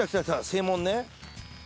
正門ね。